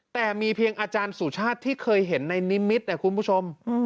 แต่มีเพียงอาจารย์สุชาติที่เคยเห็นในนิมิตรนะคุณผู้ชม